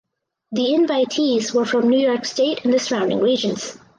The invitees were from New York state and the surrounding regions.